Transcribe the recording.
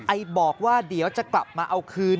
บอกว่าเดี๋ยวจะกลับมาเอาคืน